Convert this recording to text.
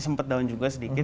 sempet down juga sedikit